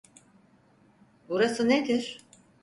Burası nedir?